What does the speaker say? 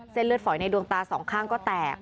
เลือดฝอยในดวงตาสองข้างก็แตก